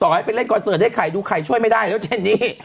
ให้ไปเล่นคอนเสิร์ตให้ไข่ดูไข่ช่วยไม่ได้แล้วเจนนี่